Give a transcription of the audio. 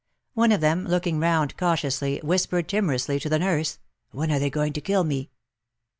One of them, looking round cautiously, whispered timorously to the nurse: ''When are they going to kill me?"